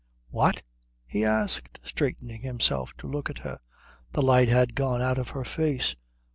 "What?" he asked, straightening himself to look at her. The light had gone out of her face.